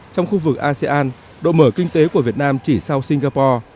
trong khu vực asean độ mở kinh tế của việt nam chỉ sau singapore